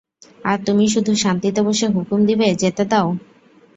আর তুমি শুধু শান্তিতে বসে হুকুম দিবে যেতে দাও।